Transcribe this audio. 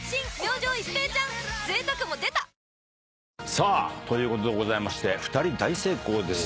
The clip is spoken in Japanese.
さあということでございまして２人大成功です。